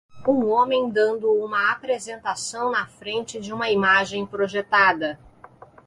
Um homem dando uma apresentação na frente de uma imagem projetada